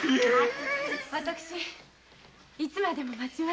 私いつまでも待ちます。